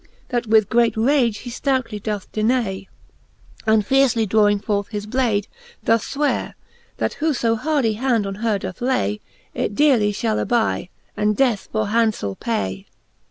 That with great rage he ftoutly doth denay ; And fiercely drawing forth his blade, doth fweare, That who fo hardie hand on her doth lay, It dearely fhall aby, and death for handfell pay, XVI.